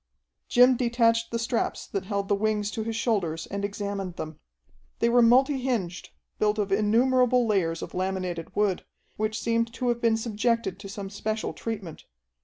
Jim detached the straps that held the wings to his shoulders and examined them. They were multi hinged, built of innumerable layers of laminated wood, which seemed to have been subjected to some special treatment.